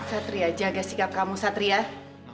satria jaga sikap kamu satria